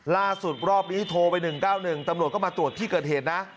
รอบนี้โทรไป๑๙๑ตำรวจก็มาตรวจที่เกิดเหตุนะ